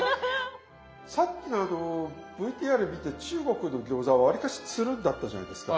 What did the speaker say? さっきのＶＴＲ見て中国の餃子はわりかしつるんだったじゃないですか。